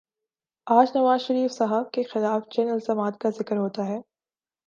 آج نوازشریف صاحب کے خلاف جن الزامات کا ذکر ہوتا ہے،